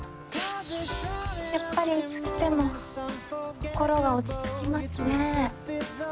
やっぱりいつ来ても心が落ち着きますね。